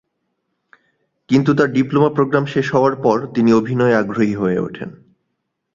কিন্তু তার diploma program শেষ হওয়ার পর তিনি অভিনয়ে আগ্রহী হয়ে ওঠেন।